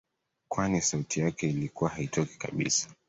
Kwani sauti yake ilikuwa haitokii kabisa